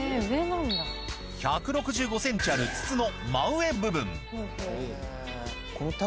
１６５ｃｍある筒の真上部分